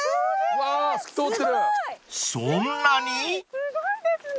すごいですね！